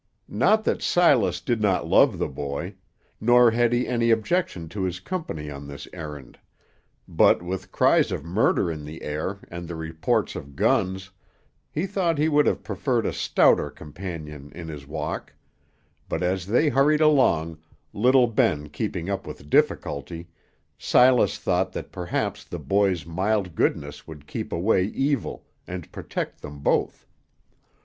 Not that Silas did not love the boy; nor had he any objection to his company on this errand, but with cries of murder in the air, and the reports of guns, he thought he would have preferred a stouter companion in his walk; but as they hurried along, little Ben keeping up with difficulty, Silas thought that perhaps the boy's mild goodness would keep away evil, and protect them both.